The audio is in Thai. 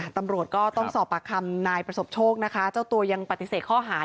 ตำรวจก็ต้องสอบปากคำนายประสบโชคนะคะเจ้าตัวยังปฏิเสธข้อหา